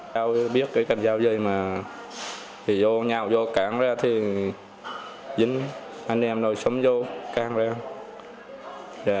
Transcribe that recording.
tao biết cái cành dao dây mà thì vô nhau vô càng ra thì dính anh em nội sống vô càng ra